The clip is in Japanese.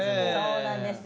そうなんですよ。